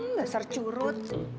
nggak ser curut